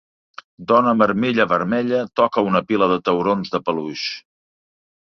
Dona amb armilla vermella toca una pila de taurons de peluix.